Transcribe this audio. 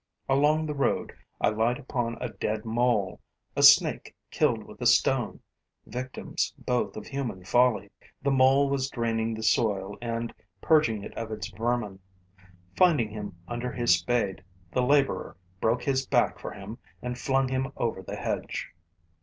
Along the road, I light upon a dead mole, a snake killed with a stone, victims both of human folly. The mole was draining the soil and purging it of its vermin. Finding him under his spade, the laborer broke his back for him and flung him over the hedge.